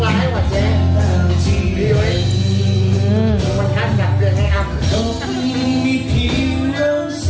ไม่ค่อย